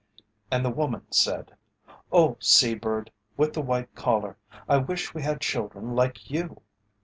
And the woman said, "Oh, sea bird with the white collar, I wish we had children like you."